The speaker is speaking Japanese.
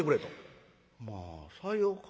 「まあさようか？